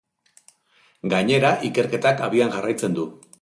Gainera, ikerketak abian jarraitzen du.